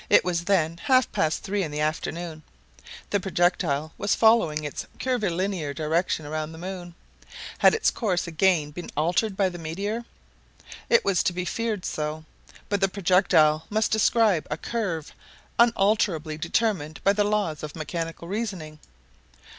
It was then half past three in the afternoon. The projectile was following its curvilinear direction round the moon. Had its course again been altered by the meteor? It was to be feared so. But the projectile must describe a curve unalterably determined by the laws of mechanical reasoning.